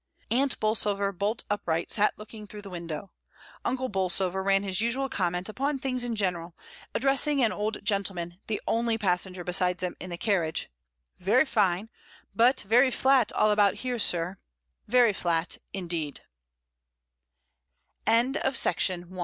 Aunt Bolsover, bolt upright, sat looking through the window. Uncle Bolsover ran his usual comment upon things in general, addressing an old gentleman, the only passenger beside themselves in the carriage — "Very fine, but very flat all about here, sir — very